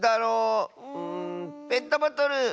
ペットボトル！